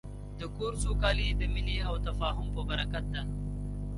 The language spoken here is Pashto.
د کور سوکالي د مینې او تفاهم په برکت ده.